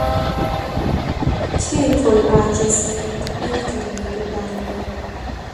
کێ تۆی عاجز کرد بەردی لێ ببارێ